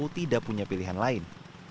mereka punya pilihan lain